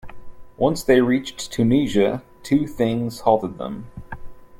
Once they reached Tunisia two things halted them.